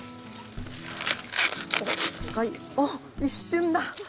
おっ一瞬だ。